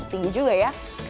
tinggi juga ya